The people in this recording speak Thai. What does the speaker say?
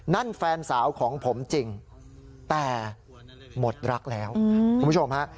นั่นแฟนสาวของผมจริงแต่หมดรักแล้วคุณผู้ชมฮะ